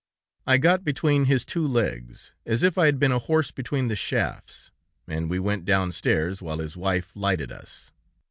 I got between his two legs, as if I had been a horse between the shafts, and we went downstairs, while his wife lighted us.